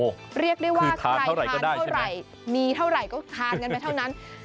เรียกได้ว่าใครทานเท่าไหร่มีเท่าไหร่ก็ทานกันไปเท่านั้น